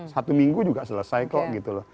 satu minggu juga selesai kok gitu loh